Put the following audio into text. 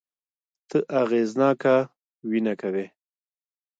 ته اغېزناکه وينه کوې